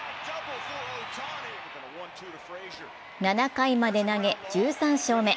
７回まで投げ１３勝目。